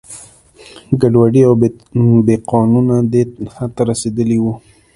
ګډوډي او بې قانونه دې حد ته رسېدلي وو.